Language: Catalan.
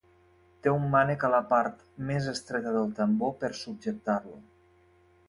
Té un mànec a la part més estreta del tambor per subjectar-lo.